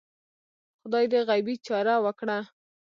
خدای دې غیبي چاره وکړه